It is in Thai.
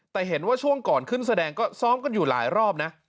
แต่เห็นว่าช่วงก่อนขึ้นแสดงก็ซ้อมกันอยู่หลายรอบนะ